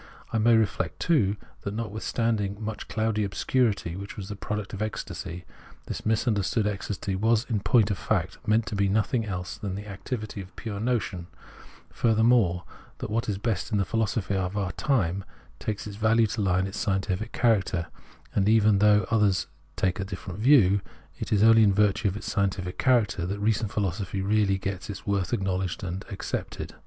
I may reflect, too, that notwithstand ing much cloudy obscurity which was the product of ecstasy, this misunderstood ecstasy was in point of fact meant to be nothing else than the activity of the pure notion ; furthermore, that what is best in the philosophy of our time takes its value to lie Preface 71 in its scientific character ; and even though others take a difierent view, it is only in virtue of its scientific character that recent philosophy really gets its worth acknowledged and accepted.